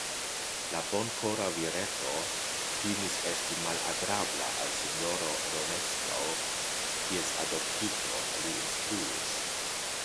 La bonkora vireto timis esti malagrabla al sinjoro Romeskaŭ, kies adoptiton li instruis.